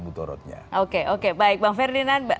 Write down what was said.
butorotnya oke oke baik bang ferdinand